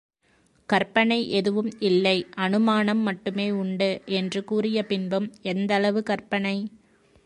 கற்பனை எதுவும் இல்லை, அநுமானம் மட்டுமே உண்டு என்று கூறிய பின்பும், எந்தளவு கற்பனை?